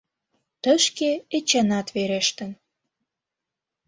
Тышке Эчанат верештын.